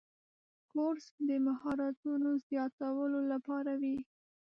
کورس د مهارتونو زیاتولو لپاره وي.